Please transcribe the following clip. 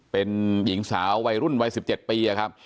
เป็นหญิงสาววัยรุ่นวัย๑๗ปีครับ